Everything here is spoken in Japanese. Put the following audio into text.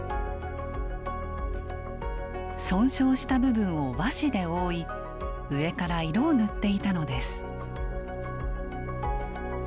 損傷した部分を和紙で覆い上から色を塗っていたのです。